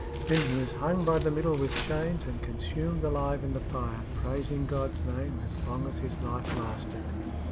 Then he was hung by the middle with chains and consumed alive in the fire, praising God's name as long as his life lasted.